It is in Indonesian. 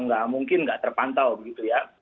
nggak mungkin nggak terpantau begitu ya